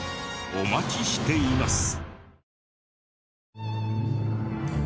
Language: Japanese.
お待ちしています。